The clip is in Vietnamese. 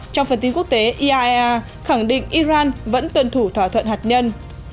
trong phần tin quốc tế iaea khẳng định iran vẫn tuân thủ thỏa thuận hạt nhân